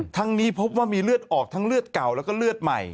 ทั้งนี้พบว่ามีเลือดออกทั้งเลือดเก่าแล้วก็เลือดใหม่